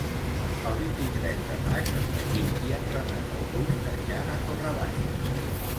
El vint-i-tres de maig en Magí i en Renat August aniran a Torre Baixa.